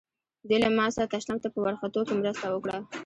دوی له ما سره تشناب ته په ورختو کې مرسته وکړه.